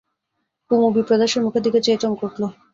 কুমু বিপ্রদাসের মুখের দিকে চেয়ে চমকে উঠল।